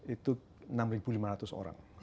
itu enam lima ratus orang